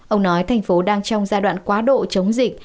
ông nói thành phố đang trong giai đoạn quá độ chống dịch